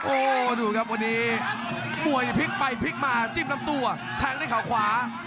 โอ้โหดูครับวันนี้มวยพลิกไปพลิกมาจิ้มลำตัวแทงด้วยเขาขวา